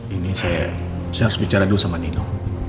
ini saya harus bicara dulu sama nino